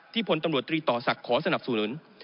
ที่ผลตำรวจตรีต่อศักดิ์ขอสนับสู่หนึ่ง